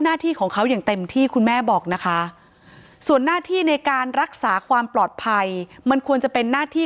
หน้าที่ของเขาอย่างเต็มที่คุณแม่บอกนะคะส่วนหน้าที่ในการรักษาความปลอดภัยมันควรจะเป็นหน้าที่